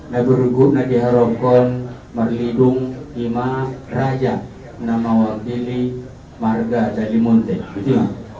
nabi rukun nadi harokon merlidung ima raja nama wakili marga dari munti